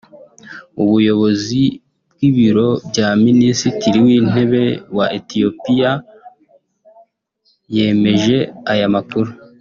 umuyobozi w’ibiro bya Minisitiri w’intebe wa Ethiopia yemeje aya makuru